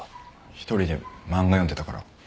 一人で漫画読んでたから。